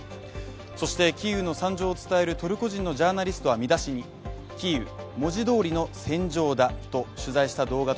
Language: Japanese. そしてキーウの惨状を伝えるトルコ人のジャーナリストは見出しにキーウ文字通りの戦場だと投稿。